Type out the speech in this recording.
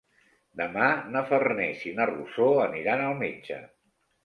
Demà na Farners i na Rosó aniran al metge.